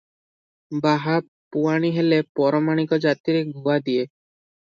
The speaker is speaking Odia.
ବାହା, ପୁଆଣି ହେଲେ ପରମାଣିକ ଜାତିରେ ଗୁଆ ଦିଏ ।